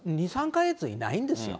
２、３か月いないんですよ。